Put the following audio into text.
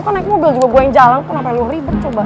kok naik mobil juga gue yang jalan kenapa lu ribet coba